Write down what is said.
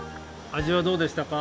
味はどうでしたか？